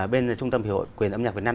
bên trung tâm hiệu quỳnh âm nhạc việt nam